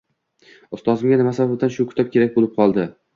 Ustozimga nima sababdan shu kitob kerak bo’lib qoldi?